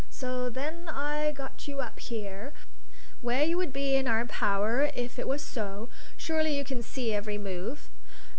So then I got you up here, where you would be in our power if it was so; surely you can see every move?